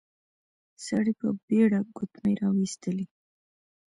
سړی په بېړه ګوتمی راويستلې.